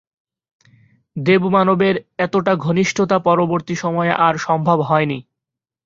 দেব-মানবের এতটা ঘনিষ্ঠতা পরবর্তী সময়ে আর সম্ভব হয়নি।